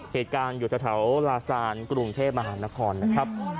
เหตุการณ์อยู่แถวลาซานกรุงเทพมหานครนะครับ